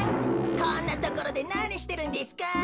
こんなところでなにしてるんですか？